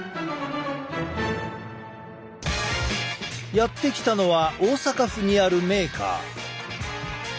やって来たのは大阪府にあるメーカー。